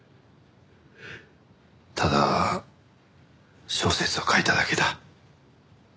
ただ小説を書いただけだ。